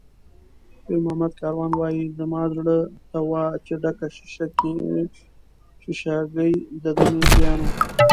پیرمحمد کاروان وایي: "زما زړه ته وا چې ډکه شیشه ګۍ ده د مېږیانو".